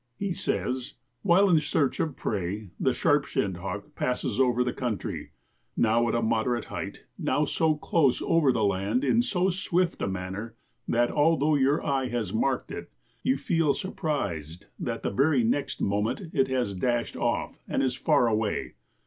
He says: "While in search of prey, the Sharp shinned Hawk passes over the country, now at a moderate height, now so close over the land, in so swift a manner that, although your eye has marked it, you feel surprised that the very next moment it has dashed off and is far away.